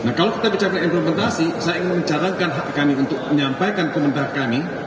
nah kalau kita bicara implementasi saya ingin membicarakan hak kami untuk menyampaikan komentar kami